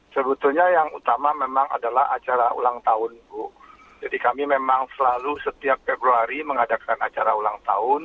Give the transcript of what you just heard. sebetulnya yang utama memang adalah acara ulang tahun bu jadi kami memang selalu setiap februari mengadakan acara ulang tahun